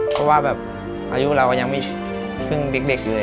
เพราะว่าอยู่เรายังไม่ฝึ้งเด็กอย่างอย่างงี้